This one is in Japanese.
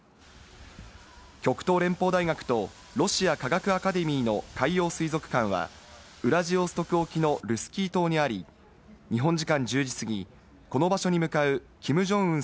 極東連邦大学とロシア科学アカデミーの海洋水族館はウラジオストク沖のルスキー島にあり、日本時間１０時過ぎ、この場所に向かうキム・ジョンウン